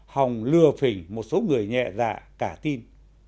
hòng lừa phỉnh một số người nhẹ dạ cả tin